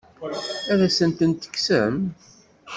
Ad asent-ten-tekksem?